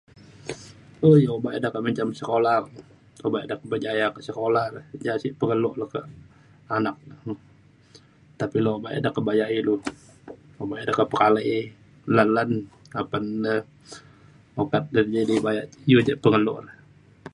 um obak ida kak menjam sekula obak ida berjaya ke sekula re ja sek pengelo le ke anak tapi ilu obak ida kebayak ilu. obak ida pekalai lan lan apan de ukat de jadi bayak iu je pengelo le